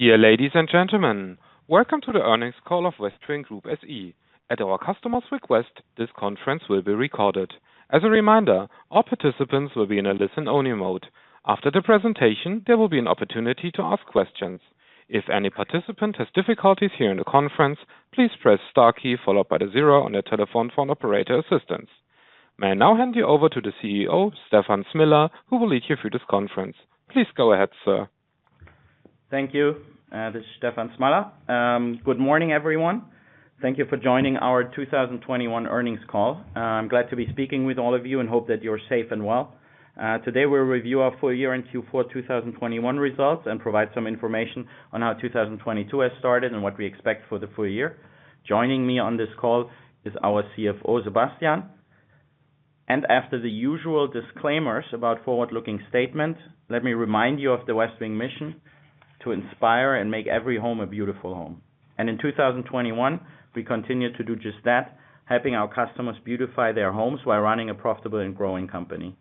Dear ladies and gentlemen, welcome to the earnings call of Westwing Group SE. At our customer's request, this conference will be recorded. As a reminder, all participants will be in a listen-only mode. After the presentation, there will be an opportunity to ask questions. If any participant has difficulties hearing the conference, please press star key followed by the zero on your telephone for operator assistance. May I now hand you over to the CEO, Stefan Smalla, who will lead you through this conference. Please go ahead, sir. Thank you. This is Stefan Smalla. Good morning, everyone. Thank you for joining our 2021 earnings call. I'm glad to be speaking with all of you and hope that you're safe and well. Today, we'll review our full year and Q4 2021 results and provide some information on how 2022 has started and what we expect for the full year. Joining me on this call is our CFO, Sebastian. After the usual disclaimers about forward-looking statements, let me remind you of the Westwing mission: to inspire and make every home a beautiful home. In 2021, we continued to do just that, helping our customers beautify their homes while running a profitable and growing company.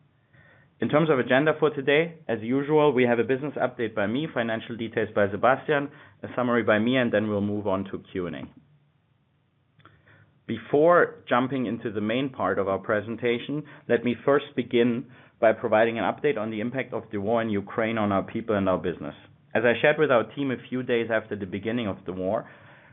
In terms of agenda for today, as usual, we have a business update by me, financial details by Sebastian, a summary by me, and then we'll move on to Q&A. Before jumping into the main part of our presentation, let me first begin by providing an update on the impact of the war in Ukraine on our people and our business. As I shared with our team a few days after the beginning of the war,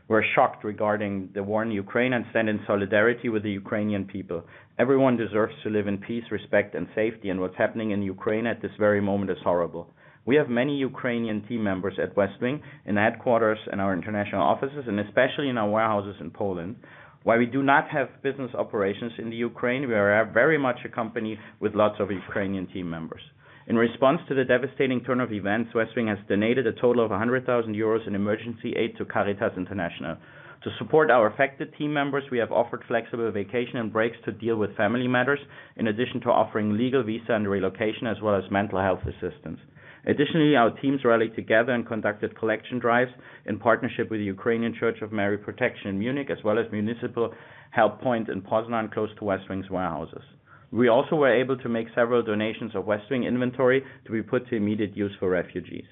we're shocked regarding the war in Ukraine and stand in solidarity with the Ukrainian people. Everyone deserves to live in peace, respect, and safety, and what's happening in Ukraine at this very moment is horrible. We have many Ukrainian team members at Westwing in headquarters and our international offices, and especially in our warehouses in Poland. While we do not have business operations in the Ukraine, we are very much a company with lots of Ukrainian team members. In response to the devastating turn of events, Westwing has donated a total of 100 thousand euros in emergency aid to Caritas International. To support our affected team members, we have offered flexible vacation and breaks to deal with family matters, in addition to offering legal visa and relocation, as well as mental health assistance. Additionally, our teams rallied together and conducted collection drives in partnership with the Ukrainian Church of Mary Protection in Munich, as well as municipal help point in Poznań, close to Westwing's warehouses. We also were able to make several donations of Westwing inventory to be put to immediate use for refugees.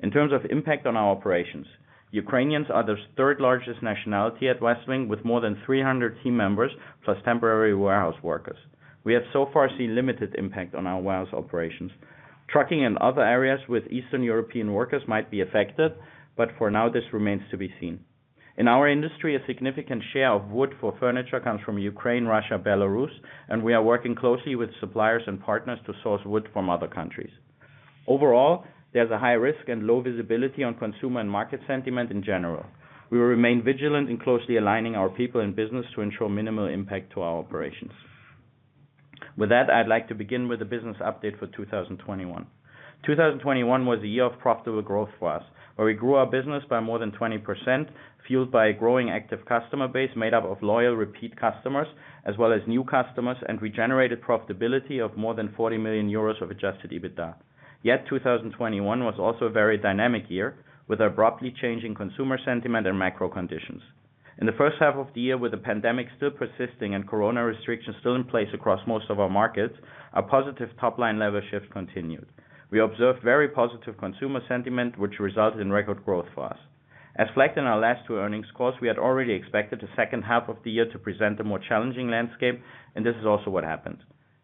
In terms of impact on our operations, Ukrainians are the third largest nationality at Westwing, with more than 300 team members plus temporary warehouse workers. We have so far seen limited impact on our warehouse operations. Trucking in other areas with Eastern European workers might be affected, but for now, this remains to be seen. In our industry, a significant share of wood for furniture comes from Ukraine, Russia, Belarus, and we are working closely with suppliers and partners to source wood from other countries. Overall, there's a high risk and low visibility on consumer and market sentiment in general. We will remain vigilant in closely aligning our people and business to ensure minimal impact to our operations. With that, I'd like to begin with the business update for 2021. 2021 was a year of profitable growth for us, where we grew our business by more than 20%, fueled by a growing active customer base made up of loyal repeat customers, as well as new customers, and we generated profitability of more than 40 million euros of Adjusted EBITDA. Yet 2021 was also a very dynamic year with abruptly changing consumer sentiment and macro conditions. In the first half of the year, with the pandemic still persisting and corona restrictions still in place across most of our markets, our positive top-line level shifts continued. We observed very positive consumer sentiment, which resulted in record growth for us. As flagged in our last two earnings calls, we had already expected the second half of the year to present a more challenging landscape, and this is also what happened.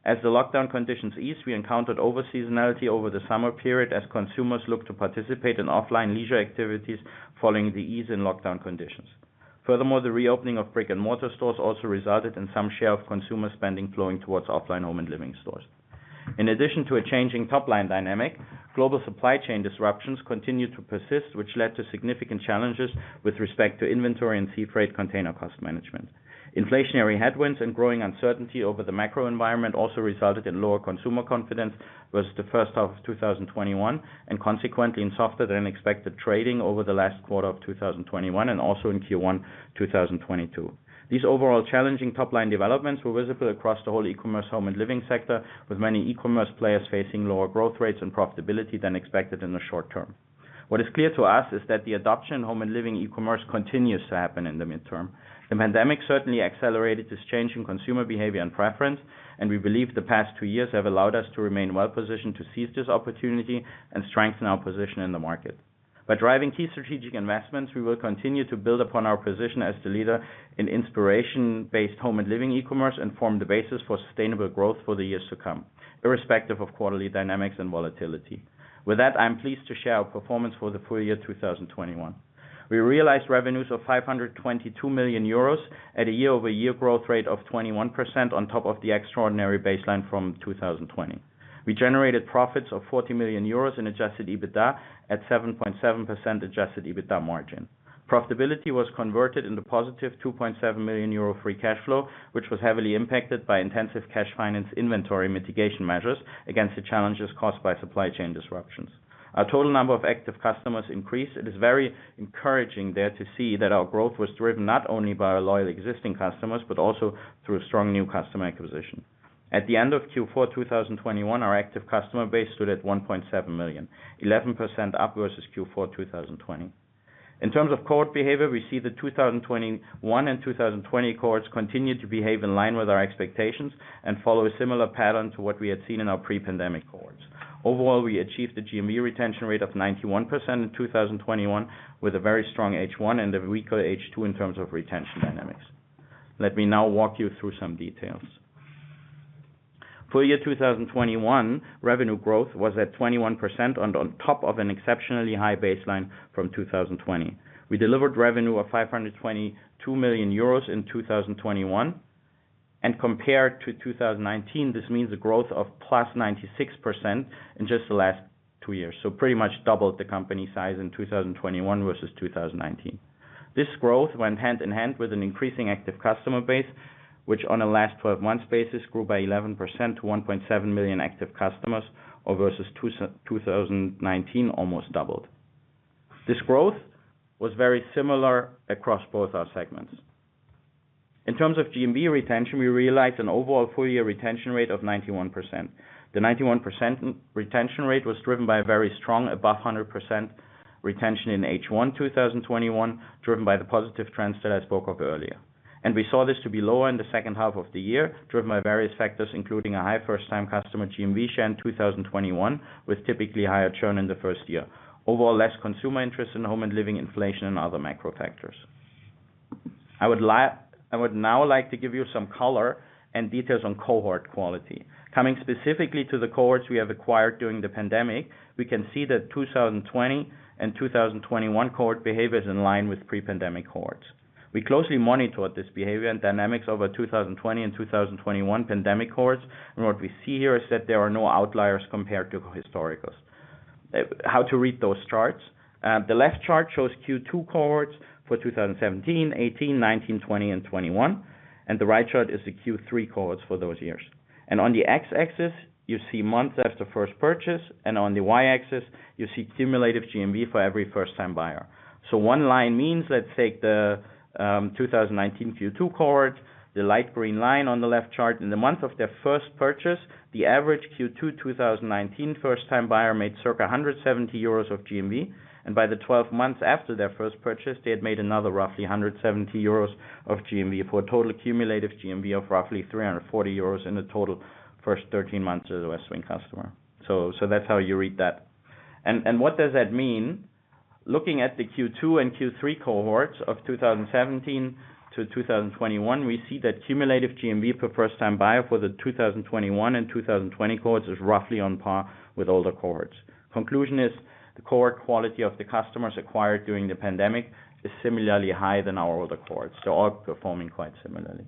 As the lockdown conditions eased, we encountered over-seasonality over the summer period as consumers looked to participate in offline leisure activities following the ease in lockdown conditions. Furthermore, the reopening of brick-and-mortar stores also resulted in some share of consumer spending flowing towards offline home and living stores. In addition to a changing top-line dynamic, global supply chain disruptions continued to persist, which led to significant challenges with respect to inventory and sea freight container cost management. Inflationary headwinds and growing uncertainty over the macro environment also resulted in lower consumer confidence versus the first half of 2021, and consequently in softer than expected trading over the last quarter of 2021 and also in Q1 2022. These overall challenging top-line developments were visible across the whole e-commerce home and living sector, with many e-commerce players facing lower growth rates and profitability than expected in the short term. What is clear to us is that the adoption of home and living e-commerce continues to happen in the medium term. The pandemic certainly accelerated this change in consumer behavior and preference, and we believe the past two years have allowed us to remain well positioned to seize this opportunity and strengthen our position in the market. By driving key strategic investments, we will continue to build upon our position as the leader in inspiration-based home and living e-commerce and form the basis for sustainable growth for the years to come, irrespective of quarterly dynamics and volatility. With that, I am pleased to share our performance for the full year 2021. We realized revenues of 522 million euros at a year-over-year growth rate of 21% on top of the extraordinary baseline from 2020. We generated profits of 40 million euros in Adjusted EBITDA at 7.7% Adjusted EBITDA margin. Profitability was converted into positive 2.7 million euro Free Cash Flow, which was heavily impacted by intensive cash finance inventory mitigation measures against the challenges caused by supply chain disruptions. Our total number of active customers increased. It is very encouraging there to see that our growth was driven not only by our loyal existing customers, but also through strong new customer acquisition. At the end of Q4 2021, our active customer base stood at 1.7 million, 11% up versus Q4 2020. In terms of cohort behavior, we see the 2021 and 2020 cohorts continue to behave in line with our expectations and follow a similar pattern to what we had seen in our pre-pandemic cohorts. Overall, we achieved the GMV retention rate of 91% in 2021, with a very strong H1 and a weaker H2 in terms of retention dynamics. Let me now walk you through some details. Full year 2021 revenue growth was at 21% on top of an exceptionally high baseline from 2020. We delivered revenue of 522 million euros in 2021. Compared to 2019, this means a growth of plus 96% in just the last two years. Pretty much doubled the company size in 2021 versus 2019. This growth went hand in hand with an increasing active customer base, which on a last twelve months basis, grew by 11% to 1.7 million active customers or versus 2019 almost doubled. This growth was very similar across both our segments. In terms of GMV retention, we realized an overall full year retention rate of 91%. The 91% retention rate was driven by a very strong above 100% retention in H1 2021, driven by the positive trends that I spoke of earlier. We saw this to be lower in the second half of the year, driven by various factors, including a high first time customer GMV share in 2021, with typically higher churn in the first year. Overall, less consumer interest in home and living, inflation and other macro factors. I would now like to give you some color and details on cohort quality. Coming specifically to the cohorts we have acquired during the pandemic, we can see that 2020 and 2021 cohort behavior is in line with pre-pandemic cohorts. We closely monitored this behavior and dynamics over 2020 and 2021 pandemic cohorts. What we see here is that there are no outliers compared to historicals. How to read those charts? The left chart shows Q2 cohorts for 2017, 18, 19, 20 and 21. The right chart is the Q3 cohorts for those years. On the X-axis, you see months after first purchase, and on the Y-axis, you see cumulative GMV for every first time buyer. One line means, let's take the 2019 Q2 cohort, the light green line on the left chart. In the month of their first purchase, the average Q2 2019 first time buyer made circa 170 euros of GMV. By the 12 months after their first purchase, they had made another roughly 170 euros of GMV for a total cumulative GMV of roughly 340 euros in the total first 13 months as a Westwing customer. That's how you read that. What does that mean? Looking at the Q2 and Q3 cohorts of 2017 to 2021, we see that cumulative GMV per first time buyer for the 2021 and 2020 cohorts is roughly on par with older cohorts. Conclusion is the cohort quality of the customers acquired during the pandemic is similarly high than our older cohorts, so all performing quite similarly.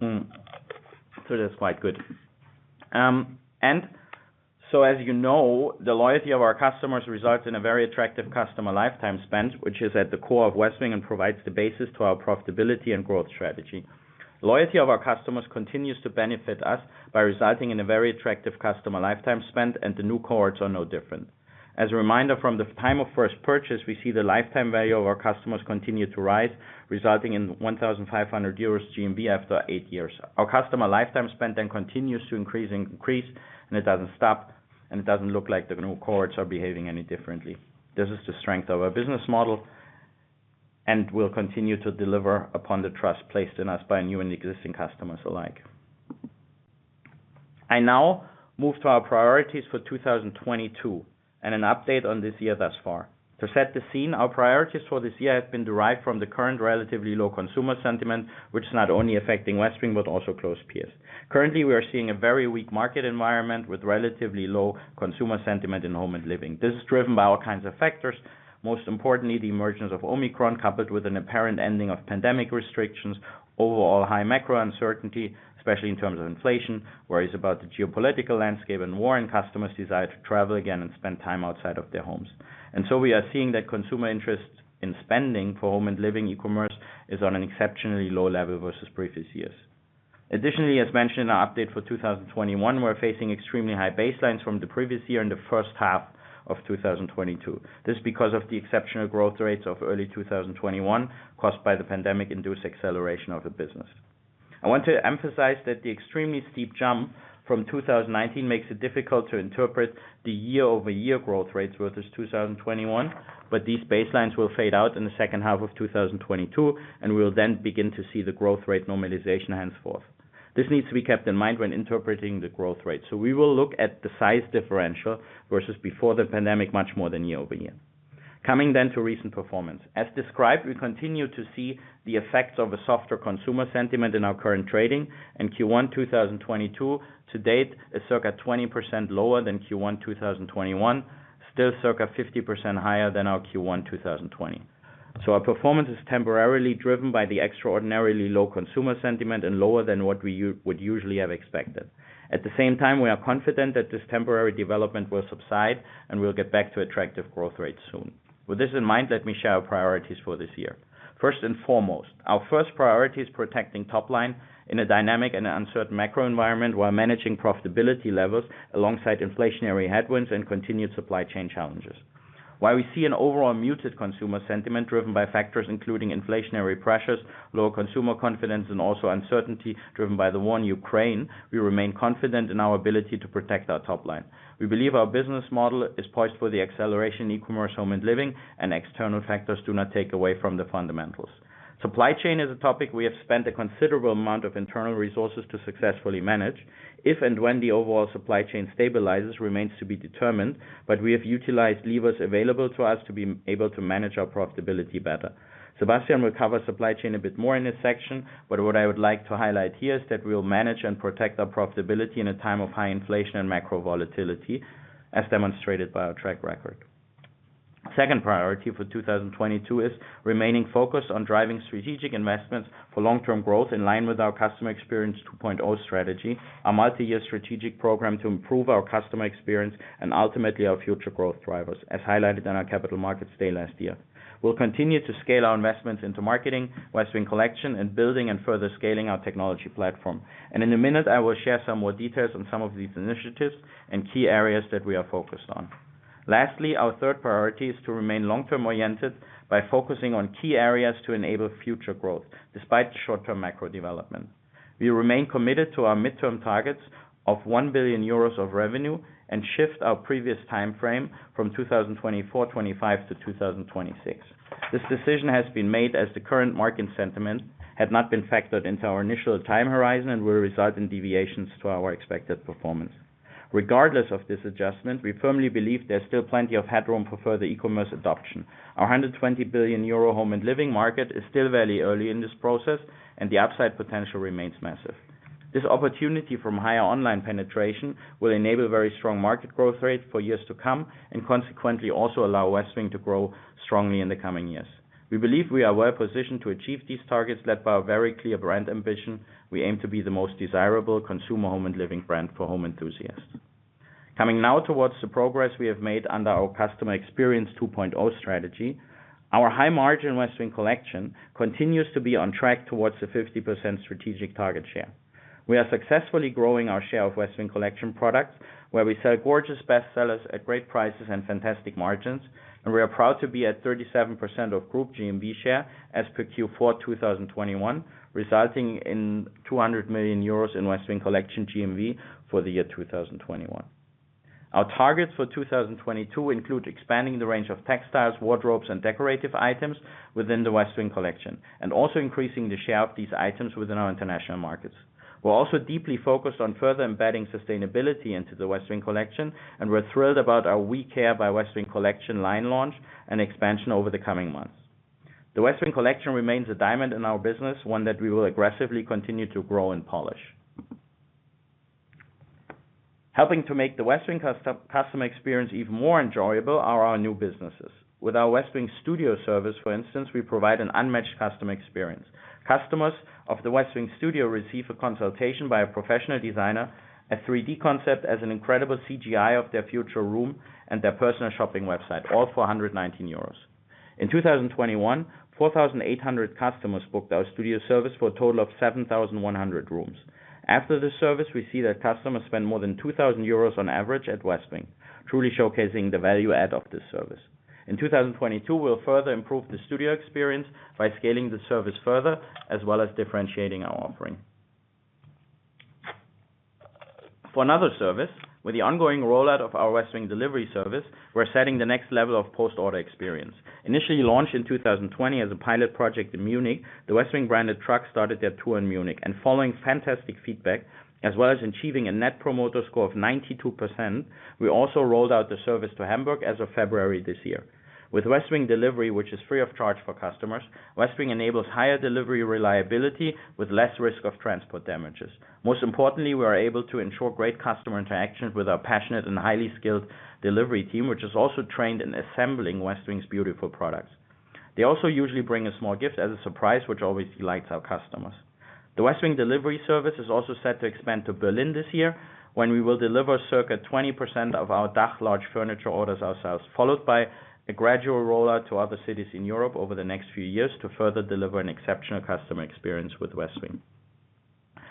That's quite good. As you know, the loyalty of our customers results in a very attractive customer lifetime spend, which is at the core of Westwing and provides the basis to our profitability and growth strategy. Loyalty of our customers continues to benefit us by resulting in a very attractive customer lifetime spend, and the new cohorts are no different. As a reminder, from the time of first purchase, we see the lifetime value of our customers continue to rise, resulting in 1,500 euros GMV after eight years. Our customer lifetime spend then continues to increase and increase, and it doesn't stop, and it doesn't look like the new cohorts are behaving any differently. This is the strength of our business model and will continue to deliver upon the trust placed in us by new and existing customers alike. I now move to our priorities for 2022 and an update on this year thus far. To set the scene, our priorities for this year have been derived from the current relatively low consumer sentiment, which is not only affecting Westwing but also close peers. Currently, we are seeing a very weak market environment with relatively low consumer sentiment in home and living. This is driven by all kinds of factors, most importantly, the emergence of Omicron, coupled with an apparent ending of pandemic restrictions, overall high macro uncertainty, especially in terms of inflation, worries about the geopolitical landscape and war, and customers' desire to travel again and spend time outside of their homes. We are seeing that consumer interest in spending for home and living e-commerce is on an exceptionally low level versus previous years. Additionally, as mentioned in our update for 2021, we're facing extremely high baselines from the previous year in the first half of 2022. This is because of the exceptional growth rates of early 2021, caused by the pandemic-induced acceleration of the business. I want to emphasize that the extremely steep jump from 2019 makes it difficult to interpret the year-over-year growth rates versus 2021, but these baselines will fade out in the second half of 2022, and we will then begin to see the growth rate normalization henceforth. This needs to be kept in mind when interpreting the growth rate. We will look at the size differential versus before the pandemic much more than year-over-year. Coming then to recent performance. As described, we continue to see the effects of a softer consumer sentiment in our current trading. In Q1 2022 to date is circa 20% lower than Q1 2021, still circa 50% higher than our Q1 2020. Our performance is temporarily driven by the extraordinarily low consumer sentiment and lower than what we would usually have expected. At the same time, we are confident that this temporary development will subside, and we'll get back to attractive growth rates soon. With this in mind, let me share our priorities for this year. First and foremost, our first priority is protecting top line in a dynamic and uncertain macro environment while managing profitability levels alongside inflationary headwinds and continued supply chain challenges. While we see an overall muted consumer sentiment driven by factors including inflationary pressures, lower consumer confidence, and also uncertainty driven by the war in Ukraine, we remain confident in our ability to protect our top line. We believe our business model is poised for the acceleration in e-commerce home and living, and external factors do not take away from the fundamentals. Supply chain is a topic we have spent a considerable amount of internal resources to successfully manage. If and when the overall supply chain stabilizes remains to be determined, but we have utilized levers available to us to be able to manage our profitability better. Sebastian will cover supply chain a bit more in this section, but what I would like to highlight here is that we will manage and protect our profitability in a time of high inflation and macro volatility, as demonstrated by our track record. Second priority for 2022 is remaining focused on driving strategic investments for long-term growth in line with our Customer Experience 2.0 strategy, a multi-year strategic program to improve our customer experience and ultimately our future growth drivers, as highlighted in our capital markets day last year. We'll continue to scale our investments into marketing, Westwing Collection, and building and further scaling our technology platform. In a minute, I will share some more details on some of these initiatives and key areas that we are focused on. Lastly, our third priority is to remain long-term oriented by focusing on key areas to enable future growth despite short-term macro development. We remain committed to our midterm targets of 1 billion euros of revenue and shift our previous time frame from 2024-25 to 2026. This decision has been made as the current market sentiment had not been factored into our initial time horizon and will result in deviations to our expected performance. Regardless of this adjustment, we firmly believe there's still plenty of headroom for further e-commerce adoption. Our 100 billion euro home and living market is still very early in this process, and the upside potential remains massive. This opportunity from higher online penetration will enable very strong market growth rate for years to come and consequently also allow Westwing to grow strongly in the coming years. We believe we are well positioned to achieve these targets led by a very clear brand ambition. We aim to be the most desirable consumer home and living brand for home enthusiasts. Coming now towards the progress we have made under our Customer Experience 2.0 strategy, our high-margin Westwing Collection continues to be on track towards the 50% strategic target share. We are successfully growing our share of Westwing Collection products, where we sell gorgeous best sellers at great prices and fantastic margins. We are proud to be at 37% of group GMV share as per Q4 2021, resulting in 200 million euros in Westwing Collection GMV for the year 2021. Our targets for 2022 include expanding the range of textiles, wardrobes, and decorative items within the Westwing Collection and also increasing the share of these items within our international markets. We're also deeply focused on further embedding sustainability into the Westwing Collection, and we're thrilled about our We Care by Westwing Collection line launch and expansion over the coming months. The Westwing Collection remains a diamond in our business, one that we will aggressively continue to grow and polish. Helping to make the Westwing customer experience even more enjoyable are our new businesses. With our Westwing Studio service, for instance, we provide an unmatched customer experience. Customers of the Westwing Studio receive a consultation by a professional designer, a 3D concept as an incredible CGI of their future room, and their personal shopping website, all for 119 euros. In 2021, 4,800 customers booked our studio service for a total of 7,100 rooms. After this service, we see that customers spend more than 2,000 euros on average at Westwing, truly showcasing the value add of this service. In 2022, we'll further improve the studio experience by scaling the service further, as well as differentiating our offering. For another service, with the ongoing rollout of our Westwing Delivery service, we're setting the next level of post-order experience. Initially launched in 2020 as a pilot project in Munich, the Westwing branded truck started their tour in Munich. Following fantastic feedback as well as achieving a Net Promoter Score of 92%, we also rolled out the service to Hamburg as of February this year. With Westwing Delivery, which is free of charge for customers, Westwing enables higher delivery reliability with less risk of transport damages. Most importantly, we are able to ensure great customer interactions with our passionate and highly skilled delivery team, which is also trained in assembling Westwing's beautiful products. They also usually bring a small gift as a surprise, which always delights our customers. The Westwing Delivery service is also set to expand to Berlin this year, when we will deliver circa 20% of our DACH large furniture orders ourselves, followed by a gradual rollout to other cities in Europe over the next few years to further deliver an exceptional customer experience with Westwing.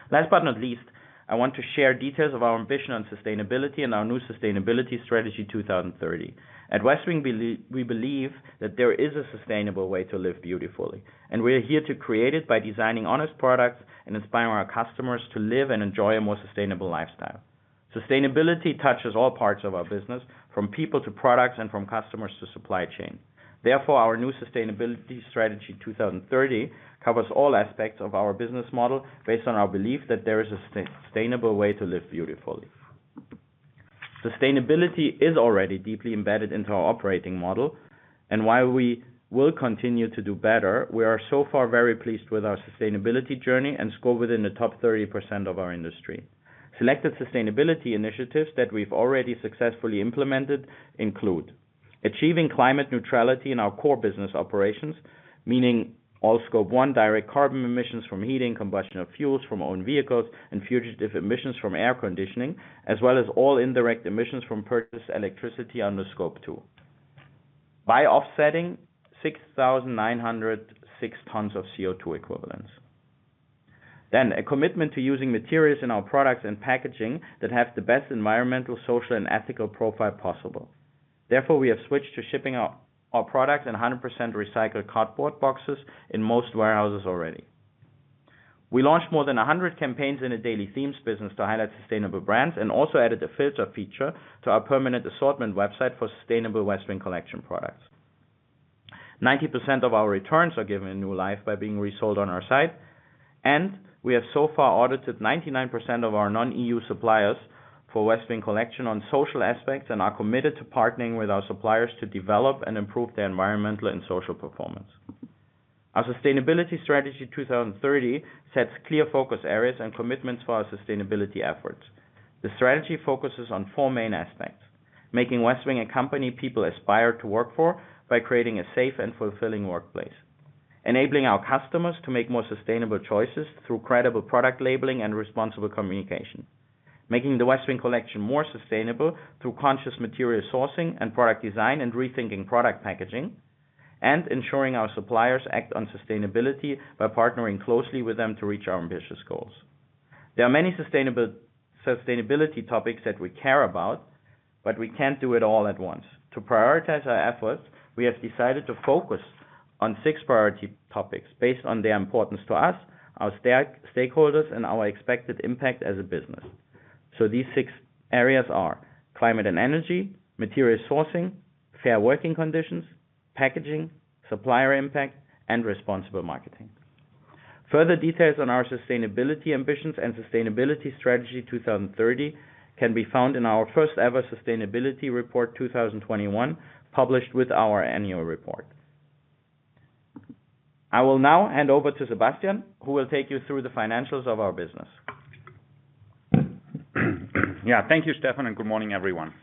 Last but not least, I want to share details of our ambition on sustainability and our new Sustainability Strategy 2030. At Westwing, we believe that there is a sustainable way to live beautifully, and we are here to create it by designing honest products and inspiring our customers to live and enjoy a more sustainable lifestyle. Sustainability touches all parts of our business, from people to products and from customers to supply chain. Therefore, our new Sustainability Strategy 2030 covers all aspects of our business model based on our belief that there is a sustainable way to live beautifully. Sustainability is already deeply embedded into our operating model, and while we will continue to do better, we are so far very pleased with our sustainability journey and score within the top 30% of our industry. Selected sustainability initiatives that we've already successfully implemented include achieving climate neutrality in our core business operations, meaning all Scope 1 direct carbon emissions from heating, combustion of fuels from own vehicles, and fugitive emissions from air conditioning, as well as all indirect emissions from purchased electricity under Scope 2 by offsetting 6,906 tons of CO2 equivalents. A commitment to using materials in our products and packaging that have the best environmental, social, and ethical profile possible. Therefore, we have switched to shipping our products in 100% recycled cardboard boxes in most warehouses already. We launched more than 100 campaigns in a daily themes business to highlight sustainable brands and also added a filter feature to our permanent assortment website for sustainable Westwing Collection products. 90% of our returns are given a new life by being resold on our site, and we have so far audited 99% of our non-EU suppliers for Westwing Collection on social aspects and are committed to partnering with our suppliers to develop and improve their environmental and social performance. Our Sustainability Strategy 2030 sets clear focus areas and commitments for our sustainability efforts. The strategy focuses on four main aspects, making Westwing a company people aspire to work for by creating a safe and fulfilling workplace. Enabling our customers to make more sustainable choices through credible product labeling and responsible communication. Making the Westwing Collection more sustainable through conscious material sourcing and product design and rethinking product packaging. Ensuring our suppliers act on sustainability by partnering closely with them to reach our ambitious goals. There are many sustainability topics that we care about, but we can't do it all at once. To prioritize our efforts, we have decided to focus on six priority topics based on their importance to us, our stakeholders, and our expected impact as a business. These six areas are climate and energy, material sourcing, fair working conditions, packaging, supplier impact, and responsible marketing. Further details on our sustainability ambitions and Sustainability Strategy 2030 can be found in our first ever Sustainability Report 2021, published with our annual report. I will now hand over to Sebastian, who will take you through the financials of our business. Yeah. Thank you, Stefan, and good morning, everyone.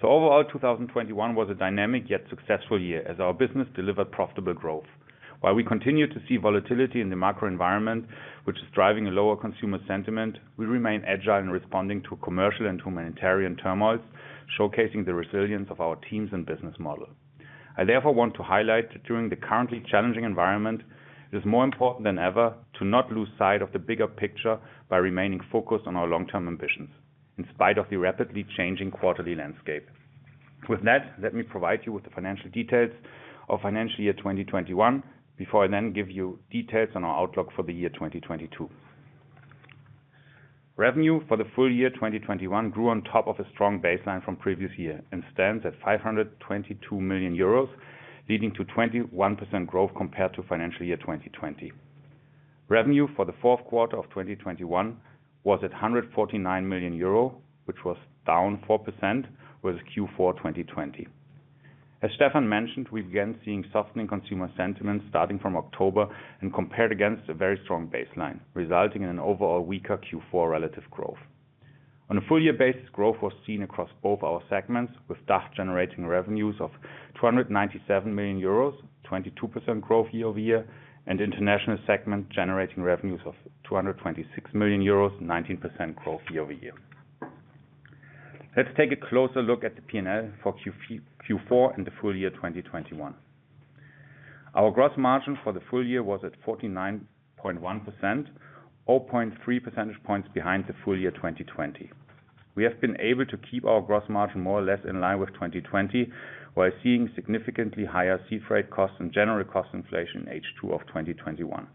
Overall, 2021 was a dynamic yet successful year as our business delivered profitable growth. While we continue to see volatility in the macro environment, which is driving a lower consumer sentiment, we remain agile in responding to commercial and humanitarian turmoils, showcasing the resilience of our teams and business model. I therefore want to highlight that during the currently challenging environment, it is more important than ever to not lose sight of the bigger picture by remaining focused on our long-term ambitions in spite of the rapidly changing quarterly landscape. With that, let me provide you with the financial details of financial year 2021 before I then give you details on our outlook for the year 2022. Revenue for the full year 2021 grew on top of a strong baseline from previous year and stands at 522 million euros, leading to 21% growth compared to financial year 2020. Revenue for the fourth quarter of 2021 was at 149 million euro, which was down 4% with Q4 2020. Stefan mentioned, we began seeing softening consumer sentiments starting from October and compared against a very strong baseline, resulting in an overall weaker Q4 relative growth. On a full year basis, growth was seen across both our segments, with DACH generating revenues of 297 million euros, 22% growth year-over-year, and international segment generating revenues of 226 million euros, 19% growth year-over-year. Let's take a closer look at the P&L for Q4 and the full year 2021. Our gross margin for the full year was at 49.1%, or 0.3 percentage points behind the full year 2020. We have been able to keep our gross margin more or less in line with 2020 while seeing significantly higher sea freight costs and general cost inflation in H2 of 2021.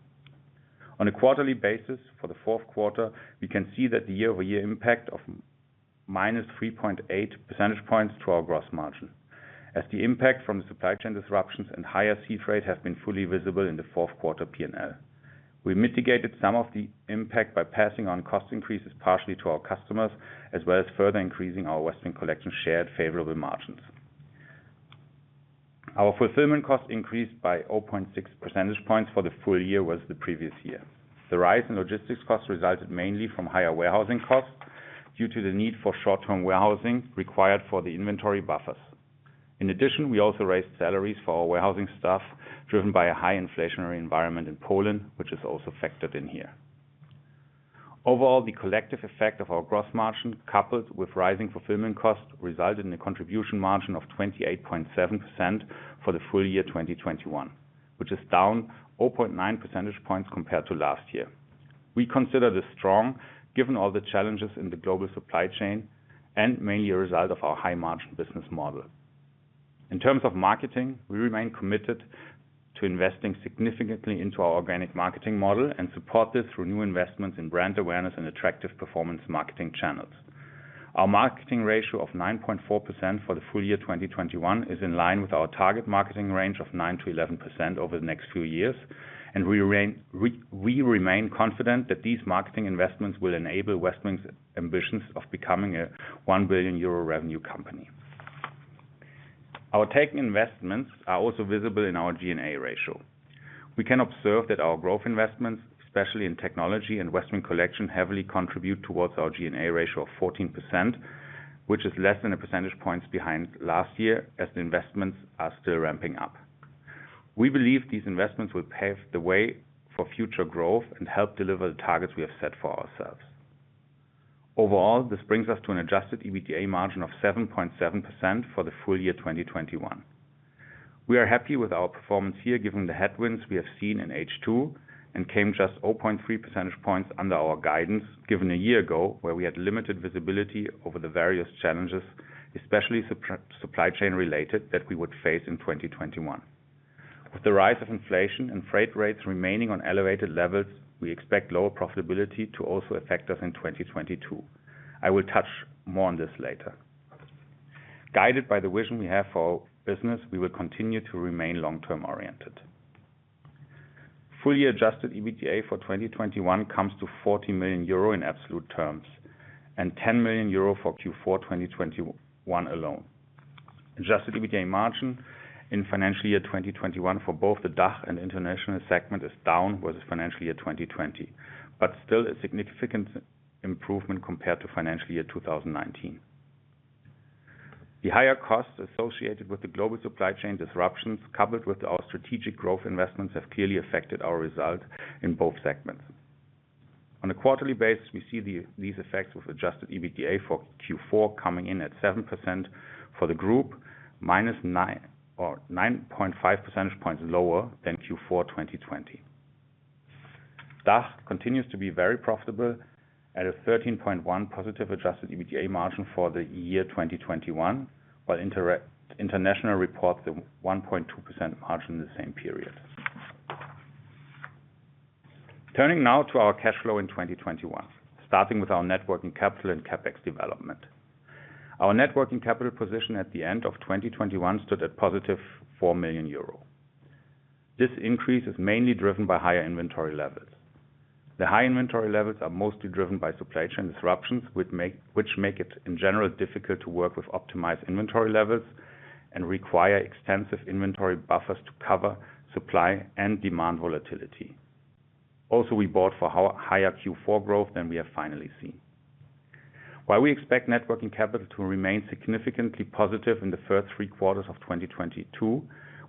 On a quarterly basis for the fourth quarter, we can see that the year-over-year impact of minus 3.8 percentage points to our gross margin as the impact from the supply chain disruptions and higher sea freight have been fully visible in the fourth quarter P&L. We mitigated some of the impact by passing on cost increases partially to our customers, as well as further increasing our Westwing Collection share favorable margins. Our fulfillment costs increased by 0.6 percentage points for the full year vs. the previous year. The rise in logistics costs resulted mainly from higher warehousing costs due to the need for short-term warehousing required for the inventory buffers. In addition, we also raised salaries for our warehousing staff, driven by a high inflationary environment in Poland, which is also factored in here. Overall, the collective effect of our gross margin, coupled with rising fulfillment costs, resulted in a contribution margin of 28.7% for the full year 2021, which is down 0.9 percentage points compared to last year. We consider this strong given all the challenges in the global supply chain and mainly a result of our high margin business model. In terms of marketing, we remain committed to investing significantly into our organic marketing model and support this through new investments in brand awareness and attractive performance marketing channels. Our marketing ratio of 9.4% for the full year 2021 is in line with our target marketing range of 9%-11% over the next few years. We remain confident that these marketing investments will enable Westwing's ambitions of becoming a 1 billion euro revenue company. Our tech investments are also visible in our G&A ratio. We can observe that our growth investments, especially in technology and Westwing Collection, heavily contribute towards our G&A ratio of 14%, which is less than one percentage point behind last year as the investments are still ramping up. We believe these investments will pave the way for future growth and help deliver the targets we have set for ourselves. Overall, this brings us to an Adjusted EBITDA margin of 7.7% for the full year 2021. We are happy with our performance here given the headwinds we have seen in H2 and came just 0.3 percentage points under our guidance given a year ago where we had limited visibility over the various challenges, especially supply chain related, that we would face in 2021. With the rise of inflation and freight rates remaining on elevated levels, we expect lower profitability to also affect us in 2022. I will touch more on this later. Guided by the vision we have for our business, we will continue to remain long-term oriented. Fully Adjusted EBITDA for 2021 comes to 40 million euro in absolute terms and 10 million euro for Q4 2021 alone. Adjusted EBITDA margin in financial year 2021 for both the DACH and international segment is down with the financial year 2020, but still a significant improvement compared to financial year 2019. The higher costs associated with the global supply chain disruptions, coupled with our strategic growth investments, have clearly affected our result in both segments. On a quarterly basis, we see these effects with Adjusted EBITDA for Q4 coming in at 7% for the group, -9 or 9.5 percentage points lower than Q4 2020. DACH continues to be very profitable at a +13.1 adjusted EBITDA margin for the year 2021, while international reports a 1.2% margin in the same period. Turning now to our cash flow in 2021, starting with our net working capital and CapEx development. Our net working capital position at the end of 2021 stood at positive 4 million euro. This increase is mainly driven by higher inventory levels. The high inventory levels are mostly driven by supply chain disruptions which make it, in general, difficult to work with optimized inventory levels and require extensive inventory buffers to cover supply and demand volatility. Also, we bought for higher Q4 growth than we have finally seen. While we expect Net Working Capital to remain significantly positive in the first three quarters of 2022,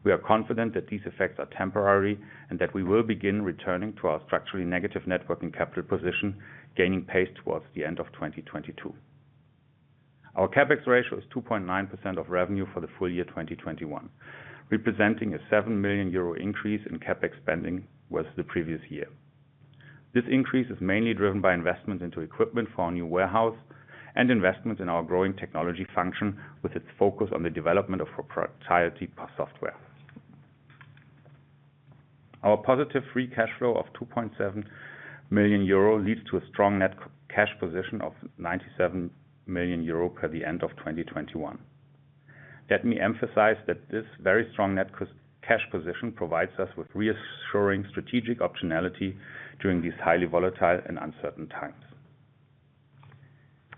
we are confident that these effects are temporary and that we will begin returning to our structurally negative Net Working Capital position, gaining pace towards the end of 2022. Our CapEx ratio is 2.9% of revenue for the full year 2021, representing a 7 million euro increase in CapEx spending with the previous year. This increase is mainly driven by investments into equipment for our new warehouse and investments in our growing technology function, with its focus on the development of proprietary software. Our positive Free Cash Flow of 2.7 million euro leads to a strong net cash position of 97 million euro per the end of 2021. Let me emphasize that this very strong net cash position provides us with reassuring strategic optionality during these highly volatile and uncertain times.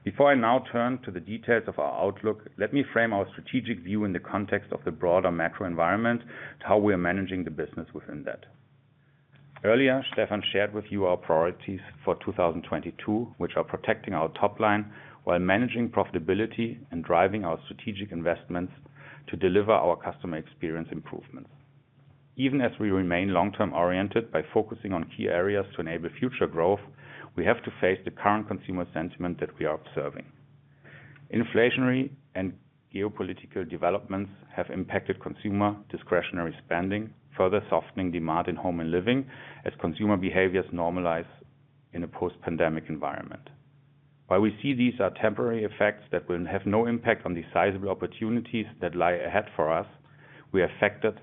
Before I now turn to the details of our outlook, let me frame our strategic view in the context of the broader macro environment and how we are managing the business within that. Earlier, Stefan shared with you our priorities for 2022, which are protecting our top line while managing profitability and driving our strategic investments to deliver our customer experience improvements. Even as we remain long-term oriented by focusing on key areas to enable future growth, we have to face the current consumer sentiment that we are observing. Inflationary and geopolitical developments have impacted consumer discretionary spending, further softening demand in home and living as consumer behaviors normalize in a post-pandemic environment. While we see these are temporary effects that will have no impact on the sizable opportunities that lie ahead for us, we factored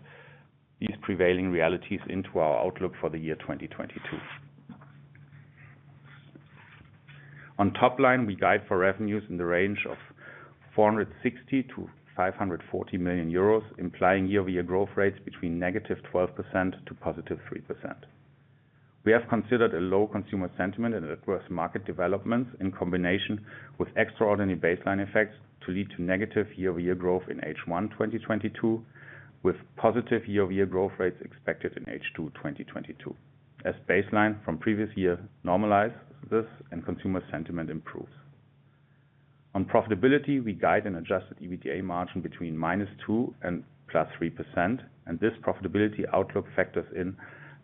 these prevailing realities into our outlook for the year 2022. On top line, we guide for revenues in the range of 460 million-540 million euros, implying year-over-year growth rates between -12% to +3%. We have considered a low consumer sentiment and adverse market developments in combination with extraordinary baseline effects to lead to negative year-over-year growth in H1 2022, with positive year-over-year growth rates expected in H2 2022, as baseline from previous year normalizes and consumer sentiment improves. On profitability, we guide an Adjusted EBITDA margin between -2% and +3%, and this profitability outlook factors in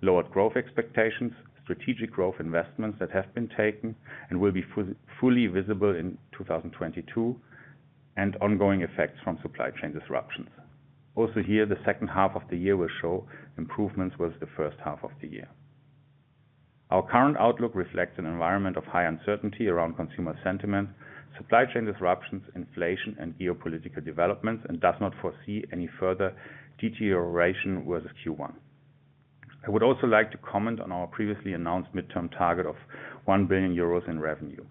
lowered growth expectations, strategic growth investments that have been taken and will be fully visible in 2022, and ongoing effects from supply chain disruptions. Also here, the second half of the year will show improvements with the first half of the year. Our current outlook reflects an environment of high uncertainty around consumer sentiment, supply chain disruptions, inflation, and geopolitical developments, and does not foresee any further deterioration with the Q1. I would also like to comment on our previously announced midterm target of 1 billion euros in revenue.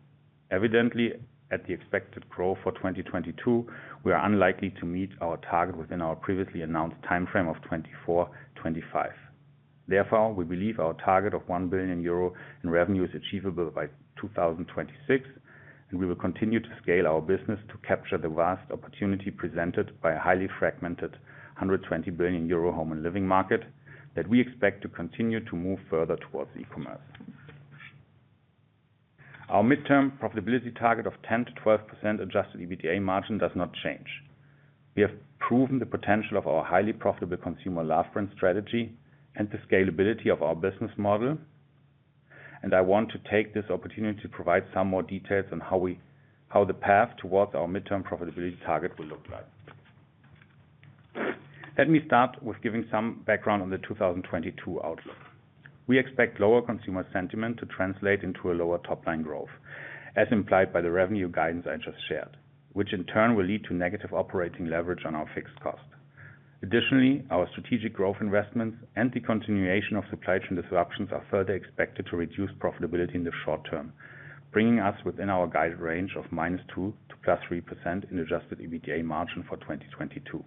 Evidently, at the expected growth for 2022, we are unlikely to meet our target within our previously announced timeframe of 2024-2025. Therefore, we believe our target of 1 billion euro in revenue is achievable by 2026, and we will continue to scale our business to capture the vast opportunity presented by a highly fragmented 120 billion euro home and living market that we expect to continue to move further towards e-commerce. Our midterm profitability target of 10%-12% Adjusted EBITDA margin does not change. We have proven the potential of our highly profitable consumer last brand strategy and the scalability of our business model, and I want to take this opportunity to provide some more details on how the path towards our midterm profitability target will look like. Let me start with giving some background on the 2022 outlook. We expect lower consumer sentiment to translate into a lower top-line growth, as implied by the revenue guidance I just shared, which in turn will lead to negative operating leverage on our fixed cost. Additionally, our strategic growth investments and the continuation of supply chain disruptions are further expected to reduce profitability in the short term, bringing us within our guide range of -2% to +3% in adjusted EBITDA margin for 2022.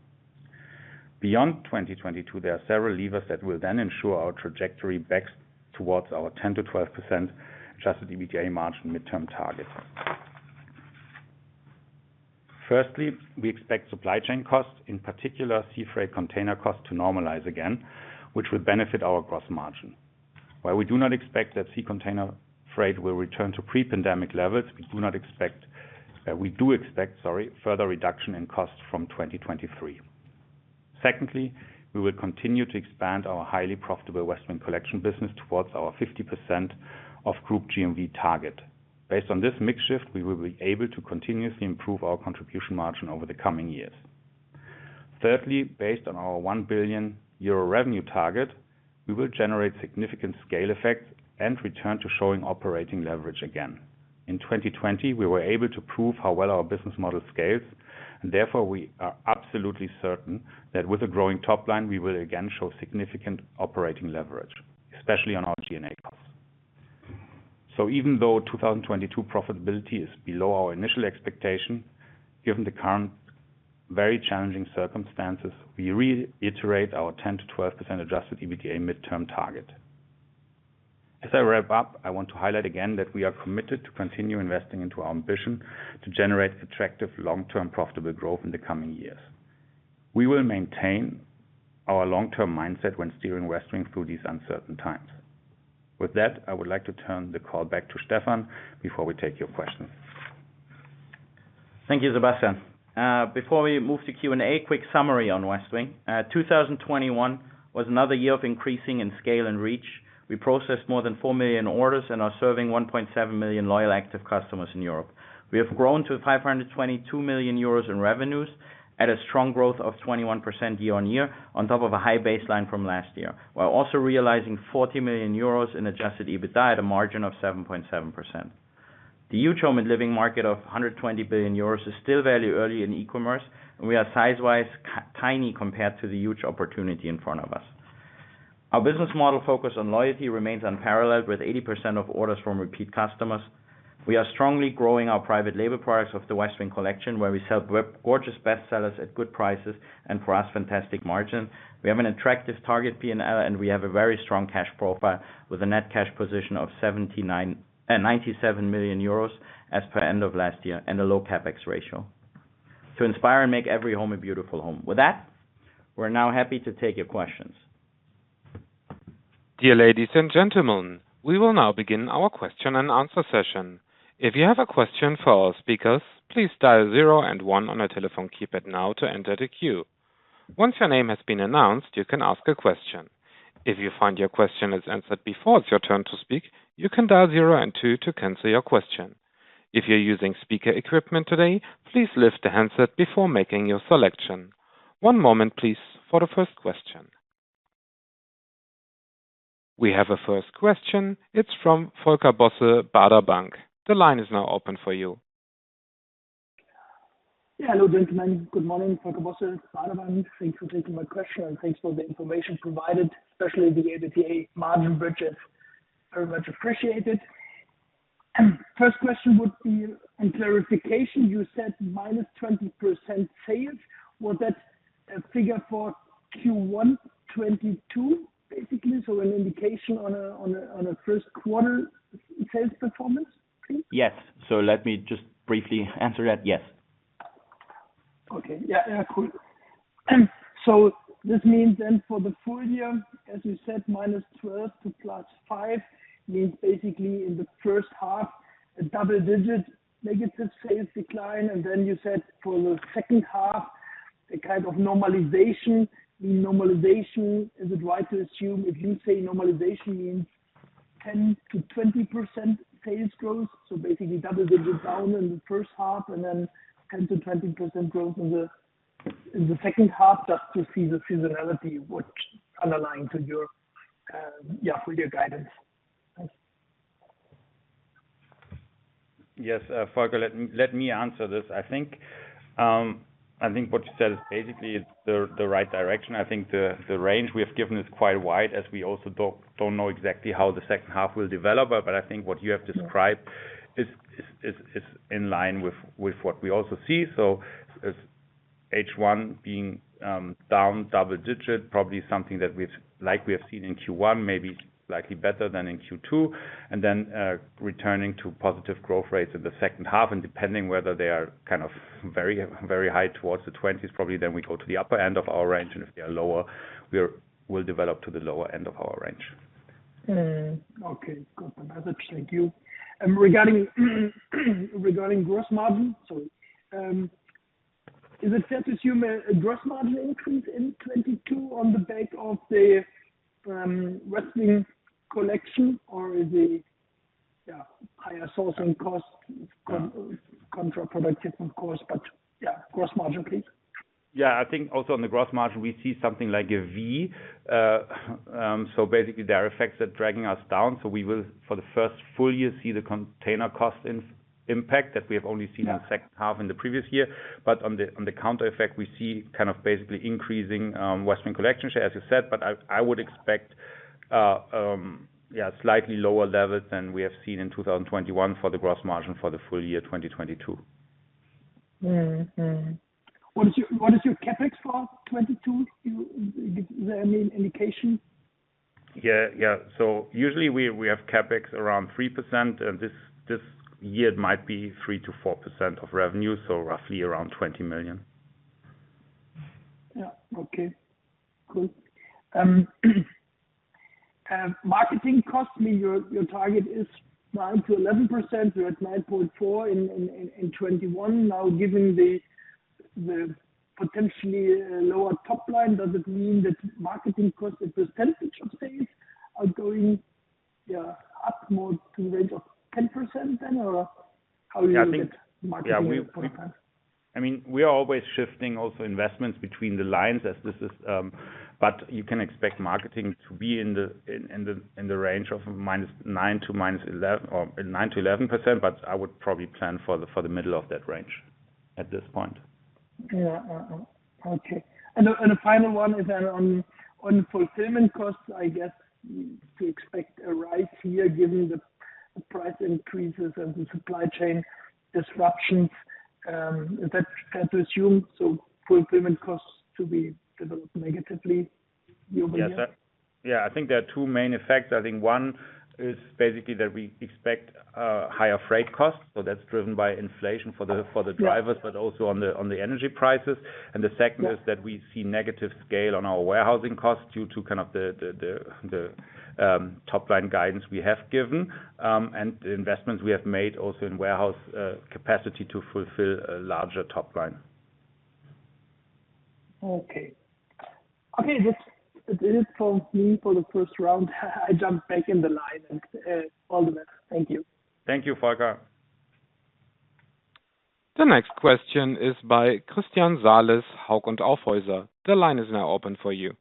Beyond 2022, there are several levers that will then ensure our trajectory backs towards our 10%-12% adjusted EBITDA margin midterm target. Firstly, we expect supply chain costs, in particular sea freight container costs, to normalize again, which will benefit our gross margin. While we do not expect that sea container freight will return to pre-pandemic levels, we do expect further reduction in costs from 2023. Secondly, we will continue to expand our highly profitable Westwing Collection business towards our 50% of Group GMV target. Based on this mix shift, we will be able to continuously improve our contribution margin over the coming years. Thirdly, based on our 1 billion euro revenue target, we will generate significant scale effects and return to showing operating leverage again. In 2020, we were able to prove how well our business model scales, and therefore, we are absolutely certain that with a growing top line, we will again show significant operating leverage, especially on our G&A costs. Even though 2022 profitability is below our initial expectation, given the current very challenging circumstances, we reiterate our 10%-12% Adjusted EBITDA midterm target. As I wrap up, I want to highlight again that we are committed to continue investing into our ambition to generate attractive long-term profitable growth in the coming years. We will maintain our long-term mindset when steering Westwing through these uncertain times. With that, I would like to turn the call back to Stefan before we take your questions. Thank you, Sebastian. Before we move to Q&A, a quick summary on Westwing. 2021 was another year of increasing in scale and reach. We processed more than 4 million orders and are serving 1.7 million loyal active customers in Europe. We have grown to 522 million euros in revenues at a strong growth of 21% year-over-year, on top of a high baseline from last year, while also realizing 40 million euros in Adjusted EBITDA at a margin of 7.7%. The huge home and living market of 120 billion euros is still very early in e-commerce, and we are size-wise tiny compared to the huge opportunity in front of us. Our business model focus on loyalty remains unparalleled, with 80% of orders from repeat customers. We are strongly growing our private label products of the Westwing Collection, where we sell gorgeous best sellers at good prices and for us, fantastic margin. We have an attractive target P&L, and we have a very strong cash profile, with a net cash position of 97 million euros as per end of last year and a low CapEx ratio. To inspire and make every home a beautiful home. With that, we're now happy to take your questions. Dear ladies and gentlemen, we will now begin our question and answer session. If you have a question for our speakers, please dial zero and one on your telephone keypad now to enter the queue. Once your name has been announced, you can ask a question. If you find your question is answered before it's your turn to speak, you can dial zero and two to cancel your question. If you're using speaker equipment today, please lift the handset before making your selection. One moment, please, for the first question. We have a first question. It's from Volker Bosse, Baader Bank. The line is now open for you. Yeah. Hello, gentlemen. Good morning, Volker Bosse, Baader Bank. Thanks for taking my question and thanks for the information provided, especially the EBITDA margin bridges. Very much appreciated. First question would be on clarification. You said minus 20% sales. Was that a figure for Q1 2022, basically? An indication on a first quarter sales performance, please? Yes. Let me just briefly answer that. Yes. Okay. Yeah, yeah, cool. This means then for the full year, as you said, -12% to +5%, means basically in the first half, a double-digit negative sales decline. Then you said for the second half, a kind of normalization. Normalization, is it right to assume if you say normalization means 10%-20% sales growth? Basically double-digit down in the first half and then 10%-20% growth in the second half, just to see the seasonality, which underlines your yeah full year guidance. Thanks. Yes, Volker, let me answer this. I think what you said is basically it's the right direction. I think the range we have given is quite wide as we also don't know exactly how the second half will develop, but I think what you have described is in line with what we also see. H1 being down double-digit, probably something that like we have seen in Q1, maybe slightly better than in Q2. Returning to positive growth rates in the second half. Depending whether they are kind of very high towards the twenties, probably then we go to the upper end of our range. If they are lower, we'll develop to the lower end of our range. Okay, got the message. Thank you. Regarding gross margin. Sorry. Is it fair to assume a gross margin increase in 2022 on the back of the Westwing Collection? Yeah, higher sourcing costs counterproductive, of course. Yeah, gross margin, please. Yeah. I think also on the gross margin, we see something like a V. Basically there are effects that dragging us down. We will, for the first full year, see the container cost impact that we have only seen- Yeah... the second half in the previous year. On the counter effect, we see kind of basically increasing Westwing Collection share, as you said. I would expect yeah, slightly lower levels than we have seen in 2021 for the gross margin for the full year 2022. What is your CapEx for 2022? Is there any indication? Usually we have CapEx around 3%, and this year it might be 3%-4% of revenue, so roughly around 20 million. Yeah. Okay, cool. Marketing cost, your target is 9%-11%. You're at 9.4% in 2021. Now, given the potentially lower top line, does it mean that marketing cost as a percentage of sales are going up more to the range of 10% then? Or how you look at marketing point of time? Yeah, I think, yeah, I mean, we are always shifting also investments between the lines as this is, but you can expect marketing to be in the range of -9% to -11%, or 9%-11%, but I would probably plan for the middle of that range at this point. Yeah. Okay. The final one is then on fulfillment costs, I guess. We expect a rise here given the price increases and the supply chain disruptions that can pressure fulfillment costs to develop negatively year-over-year. Yes. Yeah. I think there are two main effects. I think one is basically that we expect higher freight costs, so that's driven by inflation for the Oh, yes. for the drivers, but also on the energy prices. Yeah. The second is that we see negative scale on our warehousing costs due to kind of the top line guidance we have given, and the investments we have made also in warehouse capacity to fulfill a larger top line. Okay. This is from me for the first round. I jump back in the line and all the best. Thank you. Thank you, Volker Bosse. The next question is by Christian Salis, Hauck & Aufhäuser. The line is now open for you.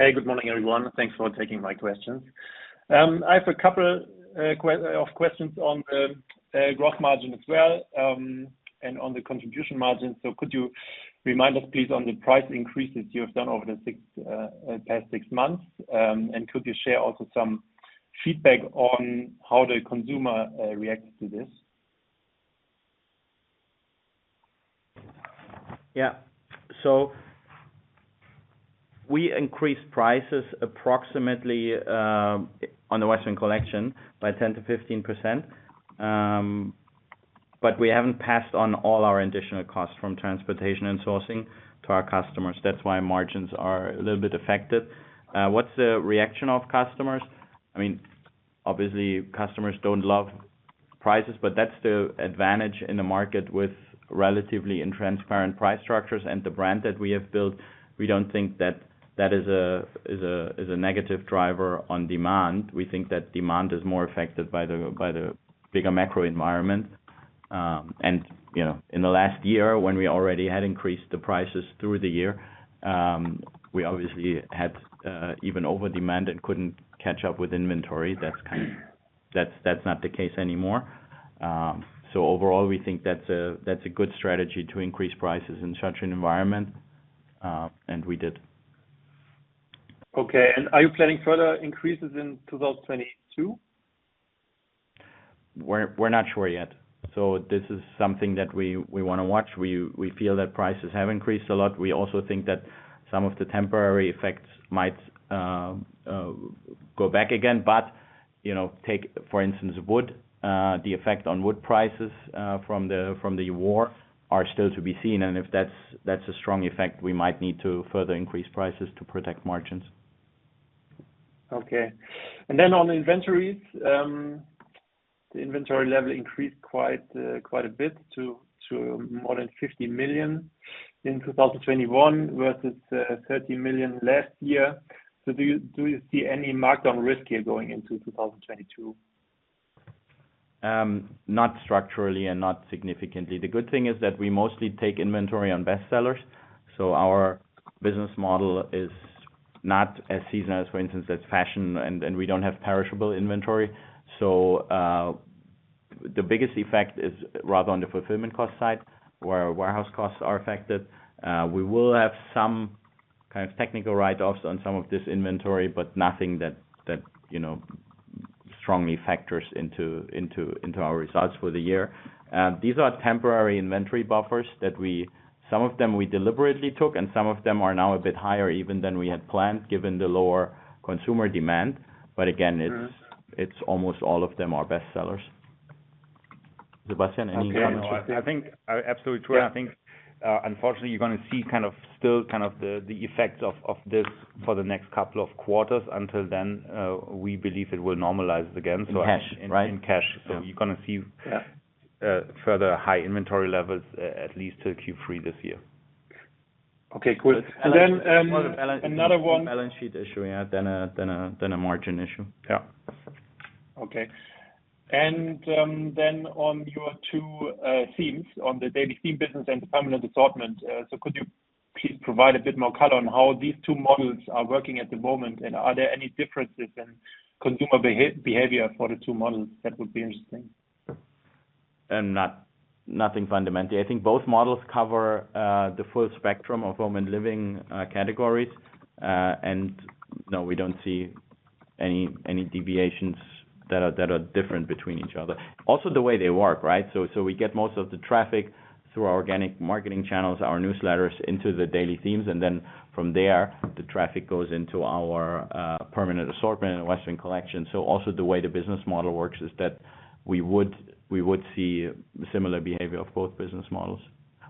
Hey, good morning, everyone. Thanks for taking my questions. I have a couple of questions on the gross margin as well, and on the contribution margin. Could you remind us, please, on the price increases you have done over the past six months, and could you share also some feedback on how the consumer reacted to this? Yeah. We increased prices approximately on the Westwing Collection by 10%-15%. But we haven't passed on all our additional costs from transportation and sourcing to our customers. That's why margins are a little bit affected. What's the reaction of customers? I mean, obviously customers don't love prices, but that's the advantage in the market with relatively transparent price structures and the brand that we have built. We don't think that that is a negative driver on demand. We think that demand is more affected by the bigger macro environment. You know, in the last year, when we already had increased the prices through the year, we obviously had even overdemand and couldn't catch up with inventory. That's kind of. That's not the case anymore. Overall, we think that's a good strategy to increase prices in such an environment, and we did. Okay. Are you planning further increases in 2022? We're not sure yet. This is something that we wanna watch. We feel that prices have increased a lot. We also think that some of the temporary effects might go back again, but you know, take for instance, wood, the effect on wood prices from the war are still to be seen. If that's a strong effect, we might need to further increase prices to protect margins. Okay. Then on the inventories, the inventory level increased quite a bit to more than 50 million in 2021 versus 30 million last year. Do you see any markdown risk here going into 2022? Not structurally and not significantly. The good thing is that we mostly take inventory on best sellers. Our business model is not as seasonal as, for instance, fashion and we don't have perishable inventory. The biggest effect is rather on the fulfillment cost side, where our warehouse costs are affected. We will have some kind of technical write-offs on some of this inventory, but nothing that you know strongly factors into our results for the year. These are temporary inventory buffers. Some of them we deliberately took, and some of them are now a bit higher even than we had planned, given the lower consumer demand. Again, it's- Mm-hmm... it's almost all of them are best sellers. Sebastian, any comments you have? Okay. No, I think absolutely, Tor. Yeah. I think, unfortunately you're gonna see kind of still the effect of this for the next couple of quarters. Until then, we believe it will normalize again. I think- In cash, right? In cash. Yeah. You're gonna see. Yeah further high inventory levels, at least till Q3 this year. Okay, cool. Another one. Balance sheet issue, yeah, than a margin issue. Yeah. Okay. Then on your two themes on the daily theme business and the permanent assortment. Could you please provide a bit more color on how these two models are working at the moment, and are there any differences in consumer behavior for the two models that would be interesting? Nothing fundamentally. I think both models cover the full spectrum of home and living categories. We don't see any deviations that are different between each other. Also, the way they work, right? We get most of the traffic through our organic marketing channels, our newsletters into the daily themes, and then from there, the traffic goes into our permanent assortment and Westwing Collection. Also the way the business model works is that we would see similar behavior of both business models.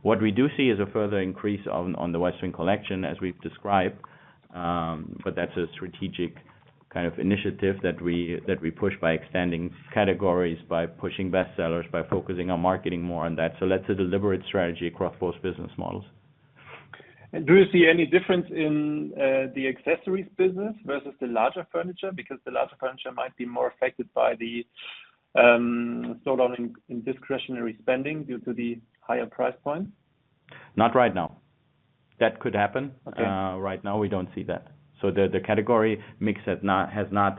What we do see is a further increase on the Westwing Collection as we've described. That's a strategic kind of initiative that we push by extending categories, by pushing best sellers, by focusing on marketing more on that. That's a deliberate strategy across both business models. Do you see any difference in the accessories business versus the larger furniture? Because the larger furniture might be more affected by the slowdown in discretionary spending due to the higher price point. Not right now. That could happen. Okay. Right now we don't see that. The category mix has not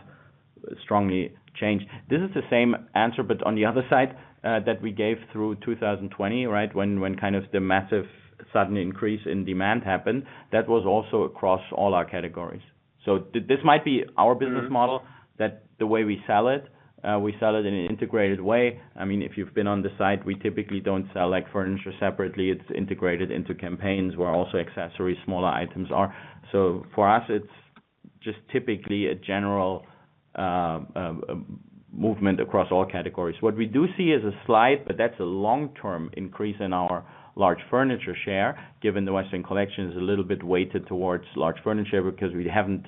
strongly changed. This is the same answer, but on the other side, that we gave through 2020, right? When kind of the massive sudden increase in demand happened, that was also across all our categories. This might be our business model, that the way we sell it, we sell it in an integrated way. I mean, if you've been on the site, we typically don't sell like furniture separately. It's integrated into campaigns where also accessories, smaller items are. For us, it's just typically a general movement across all categories. What we do see is a slight, but that's a long-term increase in our large furniture share, given the Westwing Collection is a little bit weighted towards large furniture because we haven't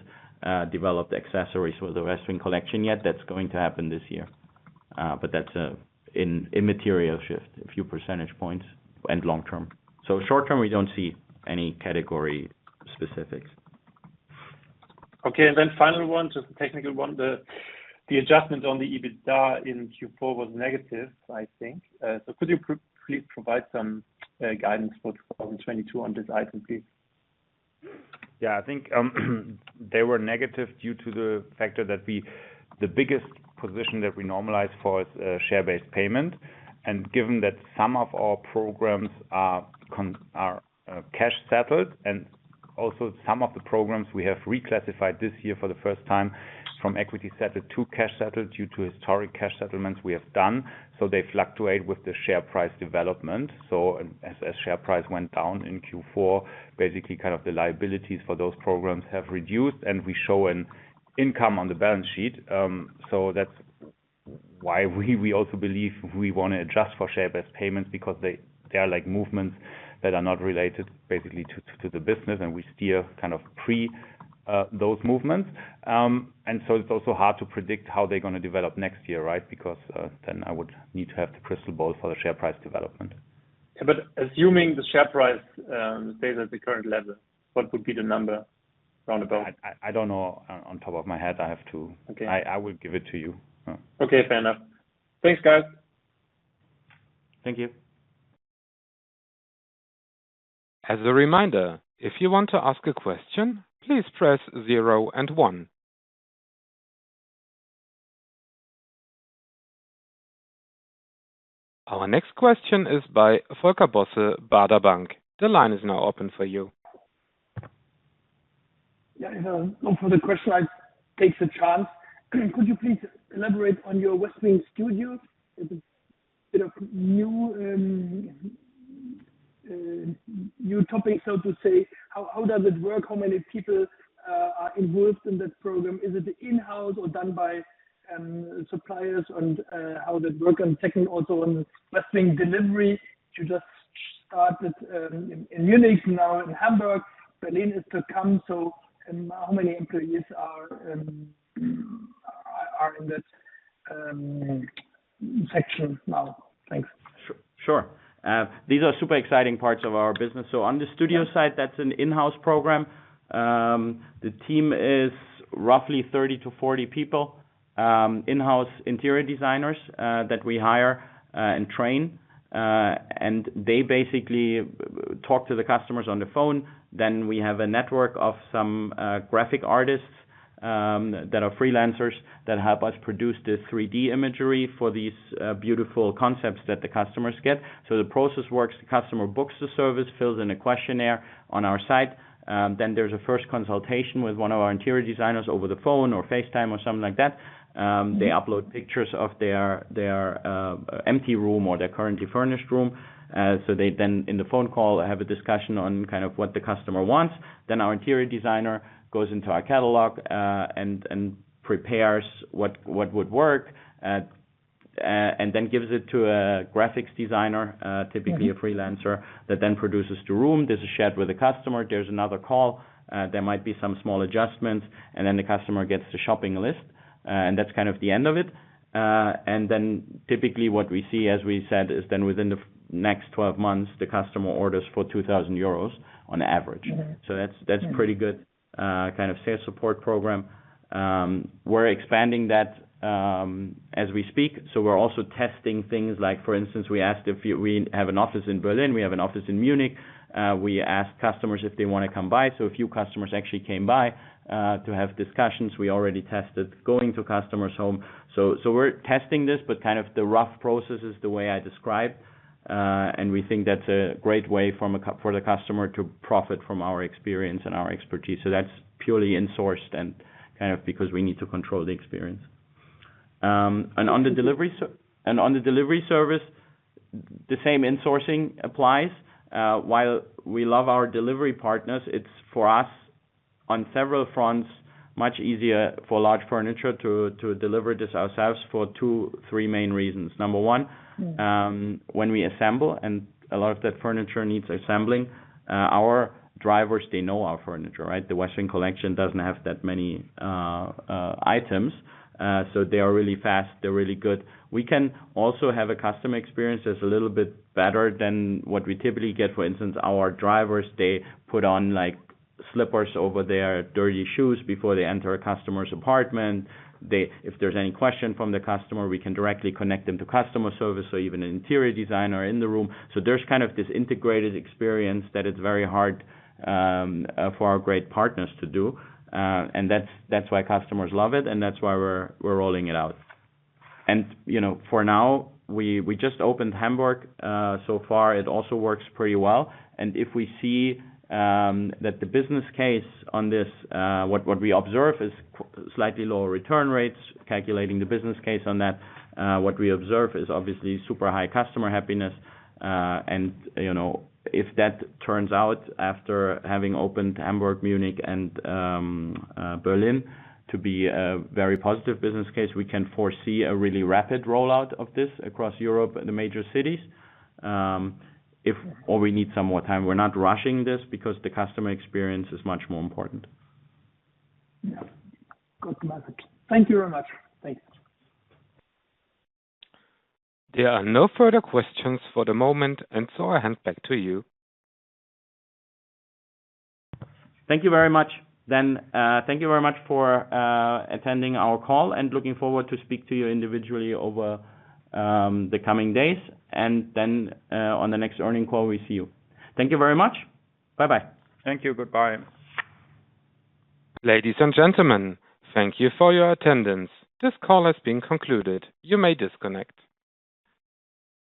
developed accessories for the Westwing Collection yet. That's going to happen this year. But that's a material shift, a few percentage points and long term. Short term, we don't see any category specifics. Okay. Then final one, just a technical one. The adjustment on the EBITDA in Q4 was negative, I think. Could you please provide some guidance for 2022 on this item, please? Yeah, I think they were negative due to the factor that we normalize for. The biggest position that we normalize for is share-based payment. Given that some of our programs are cash settled, and also some of the programs we have reclassified this year for the first time from equity settled to cash settled due to historic cash settlements we have done. They fluctuate with the share price development. As share price went down in Q4, basically kind of the liabilities for those programs have reduced, and we show an income on the balance sheet. That's why we also believe we wanna adjust for share-based payments because they are like movements that are not related basically to the business, and we steer kind of pre- those movements. It's also hard to predict how they're gonna develop next year, right? Because then I would need to have the crystal ball for the share price development. Assuming the share price stays at the current level, what would be the number round about? I don't know off the top of my head. I have to Okay. I will give it to you. Okay, fair enough. Thanks, guys. Thank you. As a reminder, if you want to ask a question, please press zero and one. Our next question is by Volker Bosse, Baader Bank. The line is now open for you. Yeah. For the question, I take the chance. Could you please elaborate on your Westwing Studio? It's a bit of new topic, so to say. How does it work? How many people are involved in that program? Is it in-house or done by suppliers? And how does it work? And second, also on Westwing Delivery, you just started in Munich, now in Hamburg. Berlin is to come. How many employees are in that section now? Thanks. Sure. These are super exciting parts of our business. On the studio side, that's an in-house program. The team is roughly 30-40 people, in-house interior designers that we hire and train. They basically talk to the customers on the phone. We have a network of some graphic artists that are freelancers that help us produce the 3D imagery for these beautiful concepts that the customers get. The process works, the customer books the service, fills in a questionnaire on our site. There's a first consultation with one of our interior designers over the phone or FaceTime or something like that. They upload pictures of their empty room or their currently furnished room. They then in the phone call have a discussion on kind of what the customer wants. Our interior designer goes into our catalog, and prepares what would work, and then gives it to a graphics designer, typically a freelancer that then produces the room. This is shared with the customer. There's another call. There might be some small adjustments, and then the customer gets the shopping list. That's kind of the end of it. Typically what we see, as we said, is then within the next 12 months, the customer orders for 2,000 euros on average. Mm-hmm. That's pretty good kind of sales support program. We're expanding that as we speak. We're also testing things like, for instance, we have an office in Berlin, we have an office in Munich, we ask customers if they wanna come by. A few customers actually came by to have discussions. We already tested going to customers' home. We're testing this, but kind of the rough process is the way I described. We think that's a great way from a CX for the customer to profit from our experience and our expertise. That's purely insourced and kind of because we need to control the experience. On the delivery service, the same insourcing applies. While we love our delivery partners, it's, for us, on several fronts, much easier for large furniture to deliver this ourselves for 2, 3 main reasons. Number one- Mm. When we assemble, and a lot of that furniture needs assembling, our drivers, they know our furniture, right? The Westwing Collection doesn't have that many items. So they are really fast. They're really good. We can also have a custom experience that's a little bit better than what we typically get. For instance, our drivers, they put on like slippers over their dirty shoes before they enter a customer's apartment. If there's any question from the customer, we can directly connect them to customer service or even an interior designer in the room. So there's kind of this integrated experience that is very hard for our great partners to do. That's why customers love it, and that's why we're rolling it out. You know, for now, we just opened Hamburg. So far, it also works pretty well. If we see that the business case on this, what we observe is slightly lower return rates, calculating the business case on that, what we observe is obviously super high customer happiness. You know, if that turns out after having opened Hamburg, Munich, and Berlin to be a very positive business case, we can foresee a really rapid rollout of this across Europe and the major cities. If, or we need some more time, we're not rushing this because the customer experience is much more important. Yeah. Good message. Thank you very much. Thanks. There are no further questions for the moment, and so I hand back to you. Thank you very much. Thank you very much for attending our call and looking forward to speak to you individually over the coming days. On the next earnings call, we see you. Thank you very much. Bye-bye. Thank you. Goodbye. Ladies and gentlemen, thank you for your attendance. This call has been concluded. You may disconnect.